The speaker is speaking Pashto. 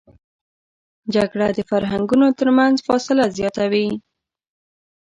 جګړه د فرهنګونو تر منځ فاصله زیاتوي